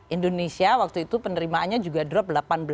indonesia waktu itu penerimaannya juga drop delapan belas